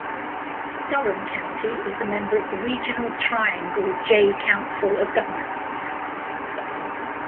Durham County is a member of the regional Triangle J Council of Governments.